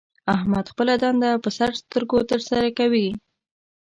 احمد خپله دنده په سر سترګو تر سره کوي.